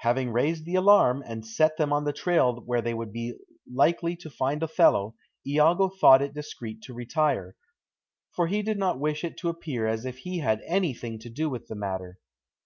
Having raised the alarm, and set them on the trail where they would be likely to find Othello, Iago thought it discreet to retire, for he did not wish it to appear as if he had anything to do with the matter.